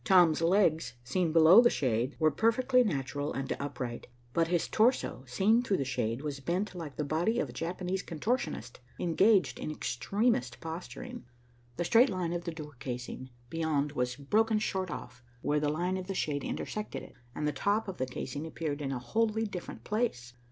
Tom's legs, seen below the shade, were perfectly natural and upright, but his torso, seen through the shade, was bent like the body of a Japanese contortionist engaged in extremest posturing. The straight line of the door casing beyond was broken short off where the line of the shade intersected it, and the top of the casing appeared in a wholly different place.